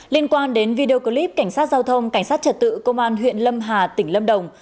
liên quan đến video clip cảnh sát giao thông cảnh sát trật tự công an huyện lâm hà tỉnh lâm đồng